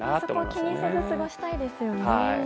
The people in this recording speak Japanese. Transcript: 気にせず過ごしたいですよね。